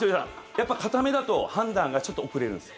やっぱ片目だと判断がちょっと遅れるんです。